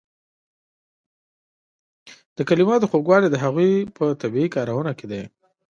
د کلماتو خوږوالی د هغوی په طبیعي کارونه کې دی.